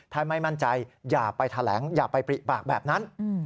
ถ้าไม่มั่นใจอย่าไปแถลงอย่าไปปริปากแบบนั้น